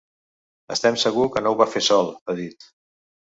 Estem segur que no ho va fer sol, ha dit.